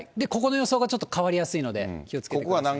ここの予想がちょっと変わりやすいので、気をつけてください。